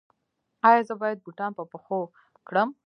ایا زه باید بوټان په پښو کړم؟